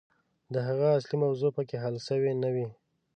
د هغې اصلي موضوع پکښې حل سوې نه وي.